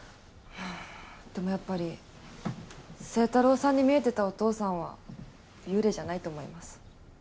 でもやっぱり星太郎さんに見えてたお父さんは幽霊じゃないと思います。